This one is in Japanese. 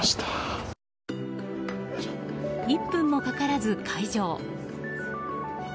１分もかからず解錠。